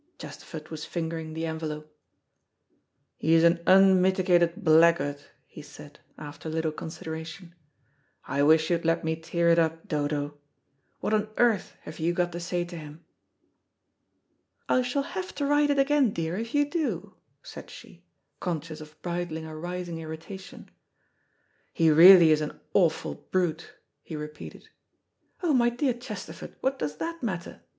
Chesterford was fingering the envelope. "He's an unmitigated blackguard," he said, after a little consideration. "I wish you'd let me tear it up, Dodo. What on earth have you got to say to him?" "I shall have to write it again, dear, if you do," said she, conscious of bridling a rising irritation. "He really is an awful brute," he repeated. "Oh, my dear Chesterford, what does that matter?"